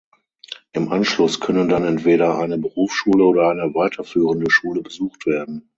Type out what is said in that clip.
Im Anschluss können dann entweder eine Berufsschule oder eine weiterführende Schule besucht werden.